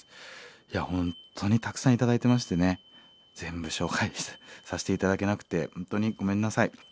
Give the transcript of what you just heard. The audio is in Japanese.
いや本当にたくさん頂いてましてね全部紹介させて頂けなくて本当にごめんなさい。